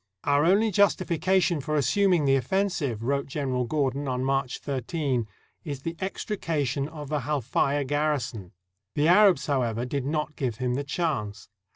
"Our only justification for assuming the offensive," wrote General Gordon on March 13, "is the extrication of the Halfaya garrison." The Arabs, however, did not give him the chance.